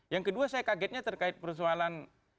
yang kedua saya kagetnya terkait persoalan